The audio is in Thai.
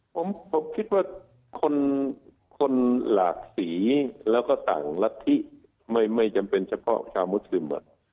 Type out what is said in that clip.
ผมคิดว่าคนหลากสีแล้วก็ต่างรัฐธิไม่จำเป็นเฉพาะชาวมุสลิม